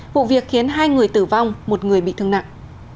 vụ việc khiến hai người tử vong một người bị thương nặng